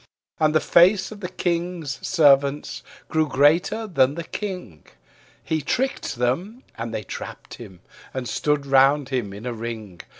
And the face of the King's Servants grew greater than the King: He tricked them, and they trapped him, and stood round him in a ring.